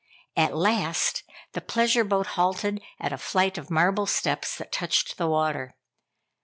At last the pleasure boat halted at a flight of marble steps that touched the water.